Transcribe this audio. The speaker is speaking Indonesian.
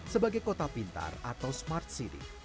sebagai kota pintar atau smart city